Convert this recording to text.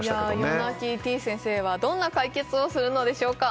夜泣きてぃ先生はどんな解決をするのでしょうか？